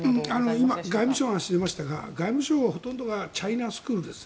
今、外務省の話が出ましたが外務省はほとんどがチャイナスクールです。